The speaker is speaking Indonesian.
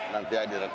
nanti akan direkam